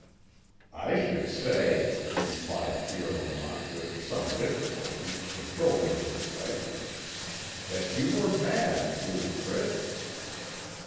"I should say," replied Pierre Lamont with some difficulty controlling his excitement, "that you were mad, fool Fritz."